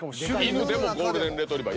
イヌでもゴールデンレトリバー。